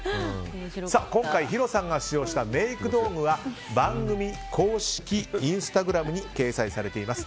今回、ヒロさんが使用したメイク道具は番組公式インスタグラムに掲載されています。